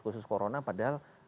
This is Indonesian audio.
khusus corona padahal